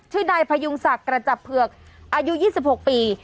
ชื่อนายพยุงศักดิ์กระจับเผือกอายุ๒๖ปี